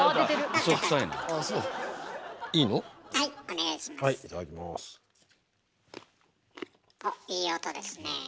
おっいい音ですねえ。